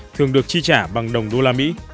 thường được chi trả bằng đồng usd